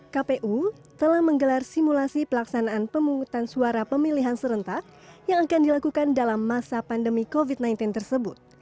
kpu telah menggelar simulasi pelaksanaan pemungutan suara pemilihan serentak yang akan dilakukan dalam masa pandemi covid sembilan belas tersebut